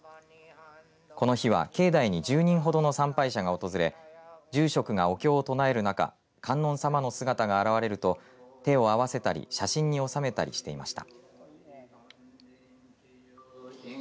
この日は境内に１０人程の参拝者が訪れ住職がお経を唱える中観音様の姿が現れると手を合わせたり写真に収めたりしていました。